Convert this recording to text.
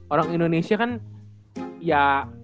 orang indonesia kan ya